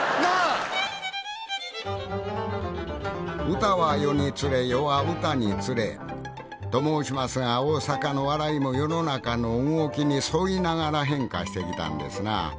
歌は世につれ世は歌につれと申しますが大阪の笑いも世の中の動きに沿いながら変化してきたんですなぁ。